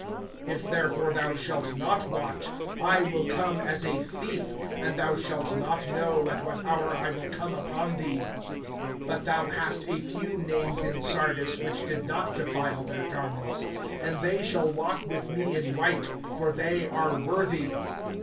If therefore thou shalt not watch, I will come as a thief, and thou shalt not know at what hour I will come upon thee. (4)But thou hast a few names in Sardis, which did not defile their garments; and they shall walk with me in white, for they are worthy.